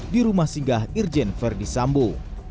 di rumah singgah irjen verdi sambo